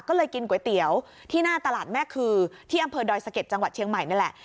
ก็เลยกินก๋วยเตี๋ยวที่หน้าตลาดแม่คือที่อำเภอดอยสะเก็ดจังหวัดเชียงใหม่นั่นแหละ